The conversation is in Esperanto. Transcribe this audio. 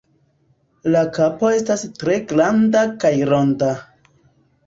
La kapo estas tre granda kaj ronda.